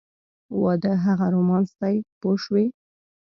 واده هغه رومانس دی پوه شوې!.